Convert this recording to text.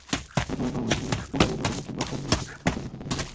দুপুরে ভাঙন স্থানে নৌকায় করে বালুভর্তি বস্তা নিয়ে এসে কয়েকজনকে ফেলতে দেখা যায়।